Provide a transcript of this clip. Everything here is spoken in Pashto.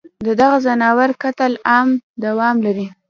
ددغو ځناورو قتل عام دوام لري